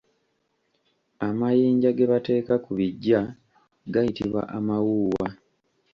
Amayinja ge bateeka ku biggya gayitibwa amawuuwa.